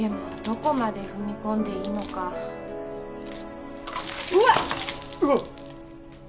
どこまで踏み込んでいいのかうわっうわっ